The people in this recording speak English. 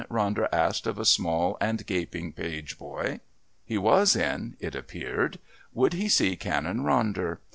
Ronder asked of a small and gaping page boy. He was in, it appeared. Would he see Canon Ronder?